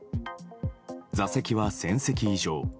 座席は１０００席以上。